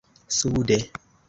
sude